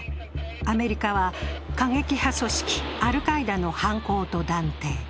アメリカは過激派組織アルカイダの犯行と断定。